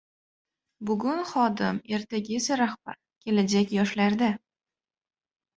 Bugun xodim, ertaga esa rahbar. Kelajak — yoshlarda